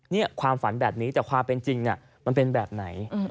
นี่ความฝันแบบนี้แต่ความเป็นจริงมันเป็นแบบไหน